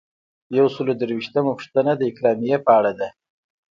یو سل او درویشتمه پوښتنه د اکرامیې په اړه ده.